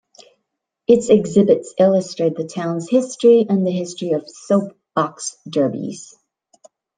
Its exhibits illustrate the town's history and the history of soap box derbys.